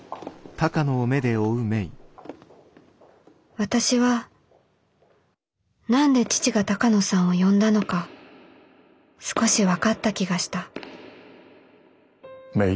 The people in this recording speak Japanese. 私は何で父が鷹野さんを呼んだのか少し分かった気がした芽依。